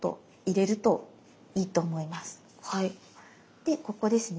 でここですね